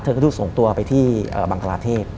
เธอก็ถูกส่งตัวไปที่บังกลาเทศ